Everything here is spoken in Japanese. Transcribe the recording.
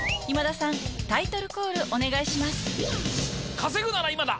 『稼ぐならイマだ！